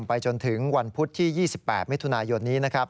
ไปจนถึงวันพุธที่๒๘มิถุนายนนี้นะครับ